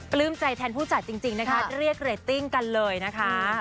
ใจแทนผู้จัดจริงนะคะเรียกเรตติ้งกันเลยนะคะ